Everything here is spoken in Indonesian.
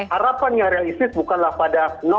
harapan yang realistis bukanlah pada